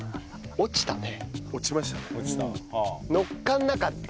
落ちましたね。